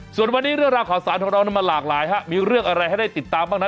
ส่วนวันนี้เรื่องราวข่าวสารของเรามันหลากหลายฮะมีเรื่องอะไรให้ได้ติดตามบ้างนั้น